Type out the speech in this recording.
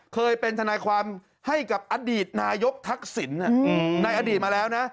เคยเป็นทนายความให้กับอดีตนายกทักษิณในอดีตมาแล้วนะ